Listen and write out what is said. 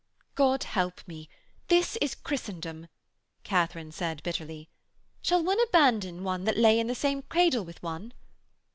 'God help me, this is Christendom!' Katharine said, bitterly. 'Shall one abandon one that lay in the same cradle with one?'